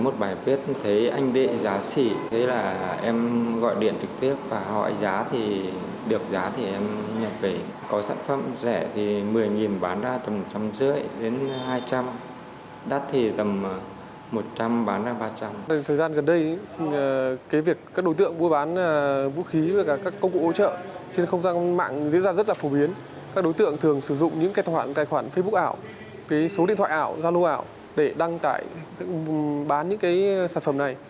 các đối tượng thường sử dụng những cái khoản facebook ảo cái số điện thoại ảo giao lô ảo để đăng tải bán những cái sản phẩm này